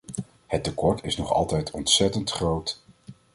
Het tekort is nog altijd ontzettend groot.